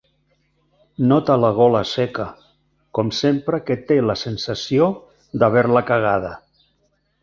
Nota la gola seca, com sempre que té la sensació d'haver-la cagada.